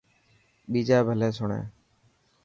ٻيجا ڀلي سڻي.